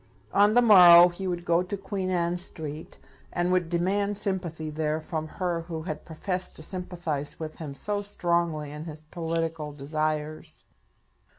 On the morrow he would go to Queen Anne Street, and would demand sympathy there from her who had professed to sympathize with him so strongly in his political desires.